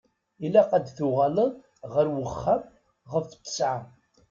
Ilaq ad d-tuɣaleḍ ɣer uxxam ɣef ttesεa.